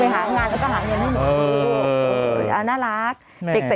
ไปหางานแล้วก็หางานด้วยคุณหมอ